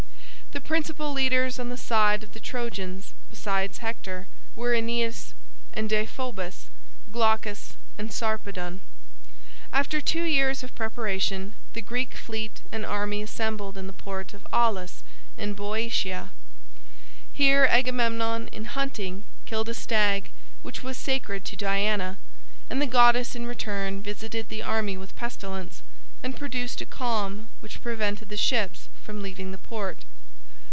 The principal leaders on the side of the Trojans, besides Hector, were Aeneas and Deiphobus, Glaucus and Sarpedon. After two years of preparation the Greek fleet and army assembled in the port of Aulis in Boeotia. Here Agamemnon in hunting killed a stag which was sacred to Diana, and the goddess in return visited the army with pestilence, and produced a calm which prevented the ships from leaving the port.